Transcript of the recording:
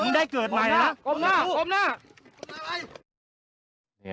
มึงได้เกิดใหม่นะ